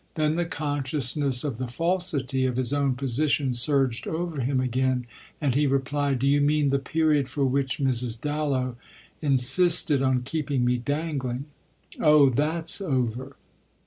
Then the consciousness of the falsity of his own position surged over him again and he replied: "Do you mean the period for which Mrs. Dallow insisted on keeping me dangling? Oh that's over!"